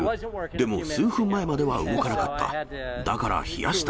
でも数分前までは動かなかった。